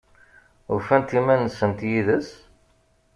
Ufant iman-nsent yid-s?